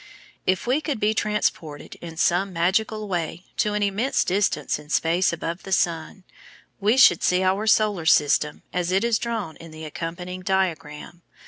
If we could be transported in some magical way to an immense distance in space above the sun, we should see our Solar System as it is drawn in the accompanying diagram (Fig.